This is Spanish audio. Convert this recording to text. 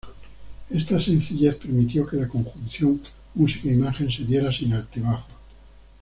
Esta sencillez permitió que la conjunción música-imagen se diera sin altibajos.